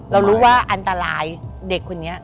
เรารู้ว่าอันตรายเด็กคนนี้